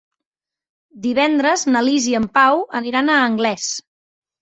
Divendres na Lis i en Pau aniran a Anglès.